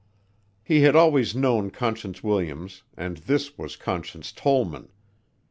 He had always known Conscience Williams and this was Conscience Tollman.